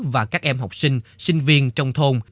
và các em học sinh sinh viên trong thôn